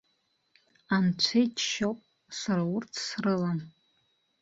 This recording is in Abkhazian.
Анцәа иџьшьоуп, сара урҭ срылам.